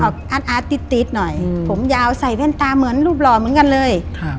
มันอัดติดหน่อยผมยาวใส่แห้นตาเหมือนรูปหลอดเหมือนกันเลย